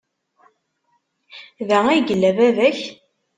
Da ay yella baba-k?